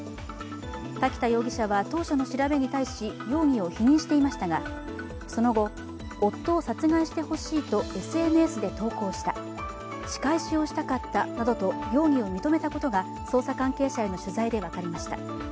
瀧田容疑者は当初の調べに対し容疑を否認していましたがその後、夫を殺害してほしいとＳＮＳで投稿した、仕返しをしたかったなどと容疑を認めたことが捜査関係者への取材で分かりました。